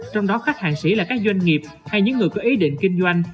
trong đó khách hàng sĩ là các doanh nghiệp hay những người có ý định kinh doanh